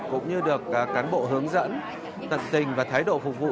cũng như được cán bộ hướng dẫn tận tình và thái độ phục vụ